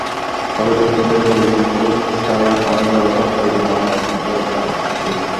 তবে ধৈর্য ধরে প্রয়োজনীয় রোদ, ছায়া, পানি দেওয়াসহ প্রয়োজন নানা রকম যত্নআত্তি।